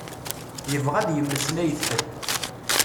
Yebɣa ad yemmeslay d ḥed.